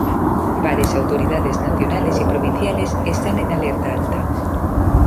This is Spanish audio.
Varias autoridades nacionales y provinciales están en alerta alta.